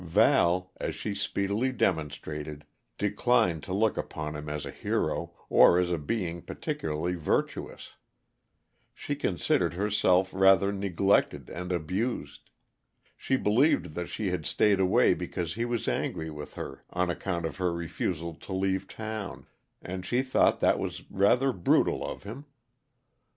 Val, as she speedily demonstrated, declined to look upon him as a hero, or as being particularly virtuous. She considered herself rather neglected and abused. She believed that he had stayed away because he was angry with her on account of her refusal to leave town, and she thought that was rather brutal of him.